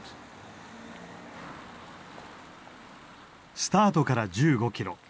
スタートから１５キロ。